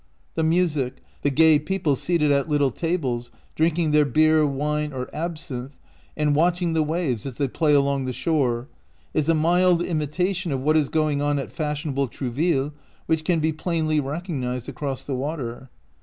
The music, the gay people seated at little tables, drinking their beer, wine, or absinthe, and watching the waves as they play along the shore, is a mild imitation of what is going on at fash ionable Trouville, which can be plainly recognized across the water.